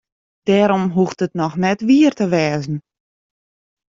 Dêrom hoecht it noch net wier te wêzen.